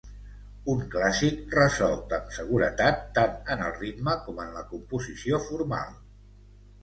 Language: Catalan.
Un clàssic resolt amb seguretat, tant en el ritme com en la composició formal.